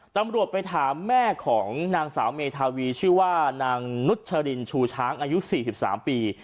ตำรวจไปถามแม่ของนางสาวเมธาวีชื่อว่านางนุชรินชูช้างอายุ๔๓ปี